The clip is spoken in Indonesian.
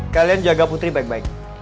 kalian jaga putri baik baik